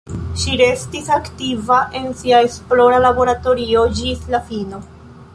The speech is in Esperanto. Ŝi restis aktiva en sia esplora laboratorio ĝis la fino.